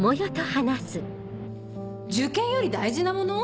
受験より大事なもの？